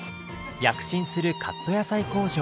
躍進するカット野菜工場！